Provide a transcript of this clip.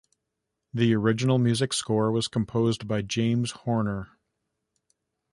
The original music score was composed by James Horner.